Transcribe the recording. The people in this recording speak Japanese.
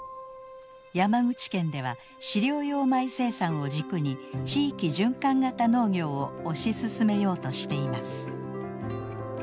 山口県では飼料用米生産を軸に地域循環型農業を推し進めようとしています。